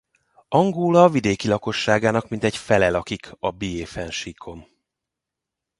Angola vidéki lakosságának mintegy fele lakik a Bié-fennsíkon.